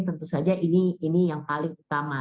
tentu saja ini yang paling utama